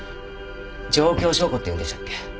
状況証拠っていうんでしたっけ。